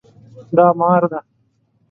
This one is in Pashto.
دا مار دی